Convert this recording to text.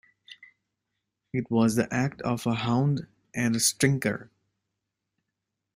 It was the act of a hound and a stinker.